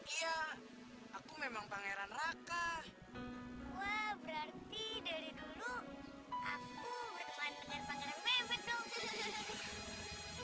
iya aku memang pangeran raka berarti dari dulu aku berteman dengan pangeran